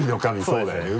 そうだよね